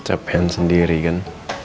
cepen sendiri kan